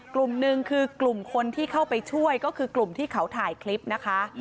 กลุ่มหนึ่งคือกลุ่มคนที่เข้าไปช่วยก็คือกลุ่มที่เขาถ่ายคลิปนะคะ